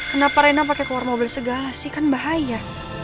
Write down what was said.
kenapa rena pakai keluar mobil segala sih kan bahaya